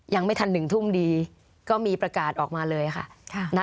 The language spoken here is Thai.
ยังไม่ทัน๑ทุ่มดีก็มีประกาศออกมาเลยค่ะ